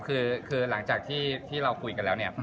คือหลังจากที่เราคุยกันแล้วเนี่ย